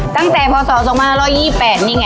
ตั้งแต่พอสาวสงมา๑๒๘ไหนไง